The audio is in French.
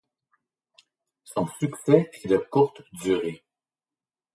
Son succès est de courte durée.